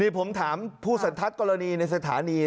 ผมถามผู้สันทัศน์กรณีในสถานี